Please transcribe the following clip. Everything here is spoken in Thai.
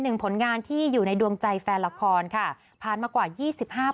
ผลงานที่อยู่ในดวงใจแฟนละครค่ะผ่านมากว่ายี่สิบห้าปี